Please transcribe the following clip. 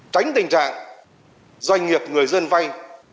tránh tình trạng doanh nghiệp người dân vay